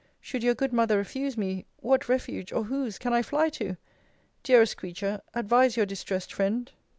Should your good mother refuse me, what refuge, or whose, can I fly to? Dearest creature, advise your distressed friend.